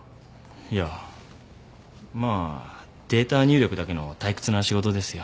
いやまあデータ入力だけの退屈な仕事ですよ。